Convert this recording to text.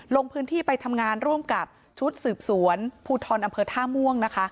ลงพื้นที่ไปทำงานร่วมกับชุดสืบสวนภูทรอำเภอท่าม่วงนะคะ